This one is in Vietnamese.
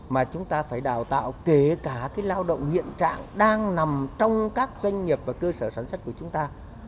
mà chúng ta phải đào tạo kể cả lao động hiện trạng đang nằm trong các doanh nghiệp và cơ sở sản xuất của chúng ta